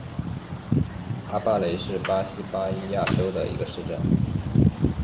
阿巴雷是巴西巴伊亚州的一个市镇。